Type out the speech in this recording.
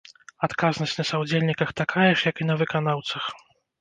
Адказнасць на саўдзельніках такая ж як і на выканаўцах.